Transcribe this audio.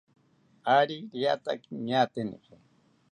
Ari riataki ñaateniki